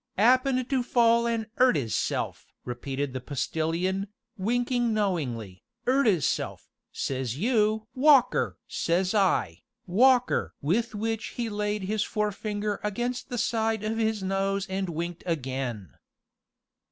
"'Appened to fall an' 'urt 'isself?" repeated the Postilion, winking knowingly, "'urt 'isself,' says you 'Walker!' says I, 'Walker!'" with which he laid his forefinger against the side of his nose and winked again.